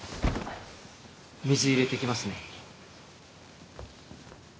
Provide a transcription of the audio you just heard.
水入れてきますね。